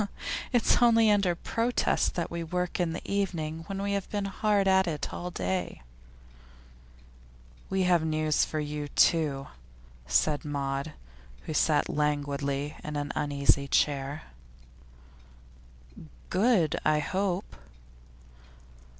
'It's only under protest that we work in the evening when we have been hard at it all day.' 'We have news for you, too,' said Maud, who sat languidly on an uneasy chair. 'Good, I hope?